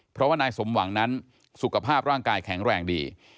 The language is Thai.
เพราะว่านายสมหวังนั้นสุขภาพร่างกายแข็งแรงดี